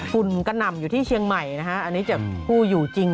ุ่นกระหน่ำอยู่ที่เชียงใหม่นะฮะอันนี้จากผู้อยู่จริง